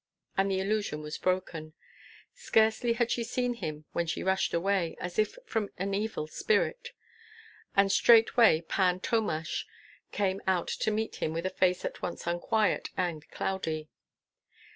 And the illusion was broken. Scarcely had she seen him when she rushed away, as if from an evil spirit; and straightway Pan Tomash came out to meet him with a face at once unquiet and cloudy.